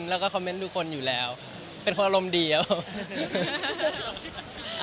แล้วก็คอมเมนต์ทุกคนอยู่แล้วเป็นคนอารมณ์ดีครับ